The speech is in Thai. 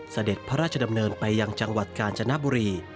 เสด็จพระราชดำเนินไปยังจังหวัดกาญจนบุรี